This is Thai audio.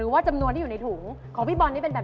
อุ้ยแบบนี้กลิ่น